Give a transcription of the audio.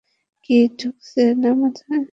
কী ঢুকছে না মাথায়?